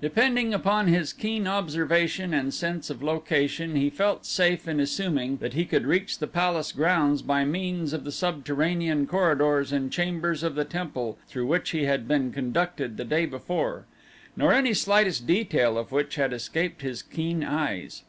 Depending upon his keen observation and sense of location he felt safe in assuming that he could reach the palace grounds by means of the subterranean corridors and chambers of the temple through which he had been conducted the day before, nor any slightest detail of which had escaped his keen eyes.